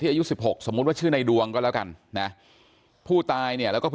อายุ๑๖สมมุติว่าชื่อในดวงก็แล้วกันนะผู้ตายเนี่ยแล้วก็